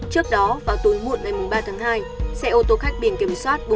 trước đó vào tối muộn ngày ba tháng hai xe ô tô khách biển kiểm soát bốn mươi bảy b năm trăm hai mươi chín